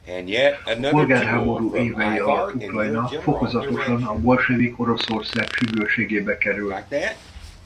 A polgárháború évei alatt Ukrajna fokozatosan a bolsevik Oroszország függőségébe kerül.